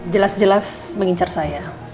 jelas jelas mengincar saya